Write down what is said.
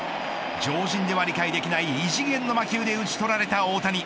常人では理解できない異次元の魔球で打ち取られた大谷。